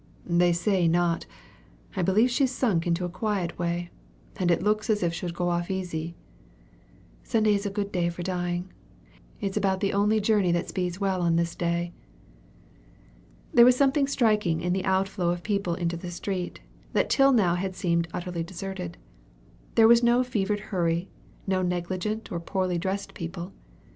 "They say not. I believe she's sunk into a quiet way; and it looks as if she'd go off easy." "Sunday is a good day for dying it's about the only journey that speeds well on this day!" There was something striking in the outflow of people into the street, that till now had seemed utterly deserted. There was no fevered hurry; no negligent or poorly dressed people.